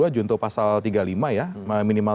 junto pasal tiga puluh lima ya minimal